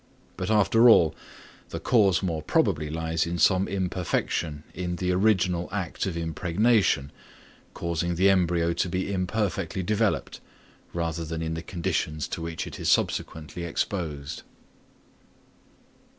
But after all, the cause more probably lies in some imperfection in the original act of impregnation, causing the embryo to be imperfectly developed, rather than in the conditions to which it is subsequently exposed.